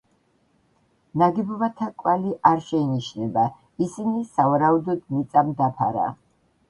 ნაგებობათა კვალი არ შეინიშნება, ისინი, სავარაუდოდ, მიწამ დაფარა.